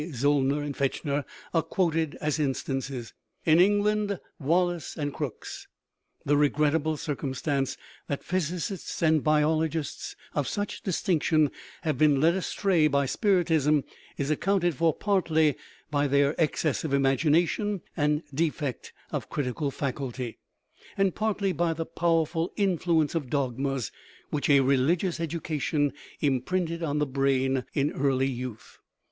Zollner and Fechner are quoted as instances ; in England, Wallace and Crookes. The regrettable circumstance that physicists and biologists of such distinction have been led astray by spiritism is accounted for, partly by their excess of imagination and defect of critical faculty, and partly by the power ful influence of dogmas which a religious education imprinted on the brain in early youth.